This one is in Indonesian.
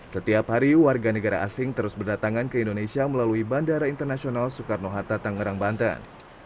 setiap hari warga negara asing terus berdatangan ke indonesia melalui bandara internasional soekarno hatta tangerang banten